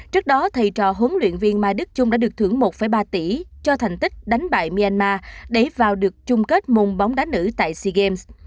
trước đó thầy trò huấn luyện viên mai đức trung đã được thưởng một ba tỷ cho thành tích đánh bại myanmar để vào được chung kết môn bóng đá nữ tại sea games